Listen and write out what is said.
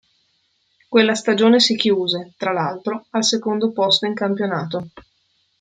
Quella stagione si chiuse, tra l'altro, al secondo posto in campionato.